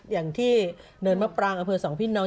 อย่างที่เนินมะปรางอำเภอสองพี่น้อง